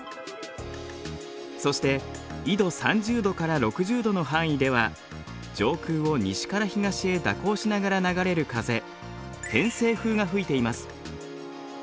そして緯度３０度から６０度の範囲では上空を西から東へ蛇行しながら流れる風偏西風が吹いています。